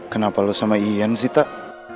kenapa lo sama ian sih tak